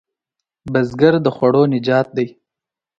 بزګر د خوړو نجات دی